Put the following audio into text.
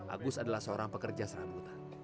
agus adalah seorang pekerja serabutan